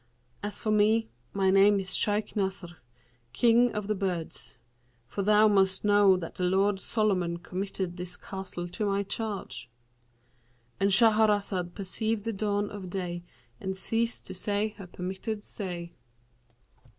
As for me, my name is Shaykh Nasr,[FN#545] King of the Birds; for thou must know that the lord Solomon committed this castle to my charge,'"—And Shahrazad perceived the dawn of day and ceased to say her permitted say.